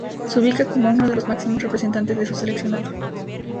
Se ubica como uno de los máximos representantes de su seleccionado.